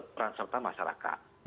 peran serta masyarakat